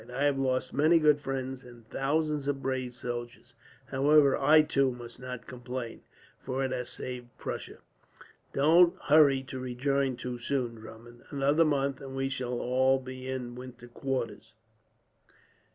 "I have lost many good friends, and thousands of brave soldiers. However, I too must not complain; for it has saved Prussia. "Don't hurry to rejoin too soon, Drummond. Another month, and we shall all be in winter quarters."